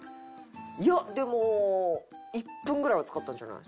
いやでも１分ぐらいはつかったんじゃない？